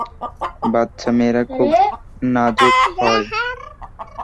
বাচ্চা মেয়েরা খুব নাজুক হয়।